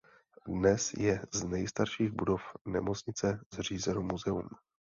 Dnes je z nejstarších budov nemocnice zřízeno muzeum.